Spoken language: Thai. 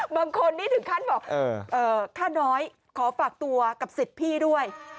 บางคนนี่ถึงขั้นบอกค่าน้อยขอฝากตัวกับสิทธิ์พี่ด้วย